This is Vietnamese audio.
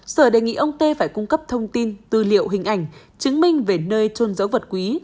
sở đề nghị ông tê phải cung cấp thông tin tư liệu hình ảnh chứng minh về nơi trôn dấu vật quý